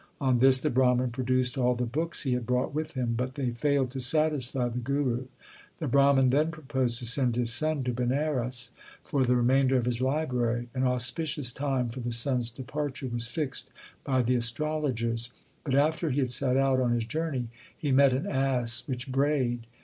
On this the Brahman produced all the books he had brought with him, but they failed to satisfy the Guru. The Brahman then proposed to send his son to Banaras for the remainder of his library. An auspicious time for the son s departure was fixed by the astrologers, but after he had set out on his journey, he met an ass which brayed.